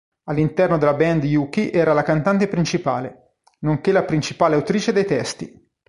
All'interno della band Yuki era la cantante principale, nonché la principale autrice dei testi.